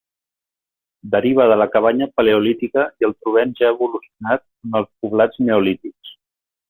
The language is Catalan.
Deriva de la cabanya Paleolítica i el trobem ja evolucionat en els poblats Neolítics.